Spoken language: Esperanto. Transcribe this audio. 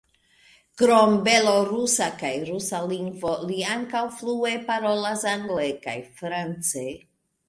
Krom belorusa kaj rusa lingvo, li ankaŭ flue parolas angle kaj france.